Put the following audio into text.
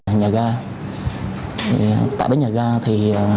tại nhà ga phối hợp với các trinh sát